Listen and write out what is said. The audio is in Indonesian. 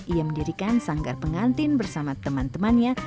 ia mendirikan sanggar pengantin bersama teman temannya